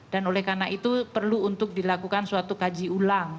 dan oleh karena itu perlu untuk dilakukan suatu kaji ulang